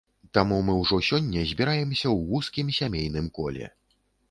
Таму мы ўжо сёння збіраемся ў вузкім сямейным коле.